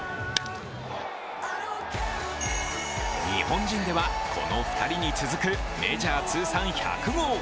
日本人ではこの２人に続くメジャー通算１００号。